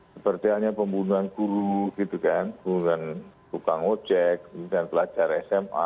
seperti halnya pembunuhan guru gitu kan pembunuhan tukang ojek kemudian pelajar sma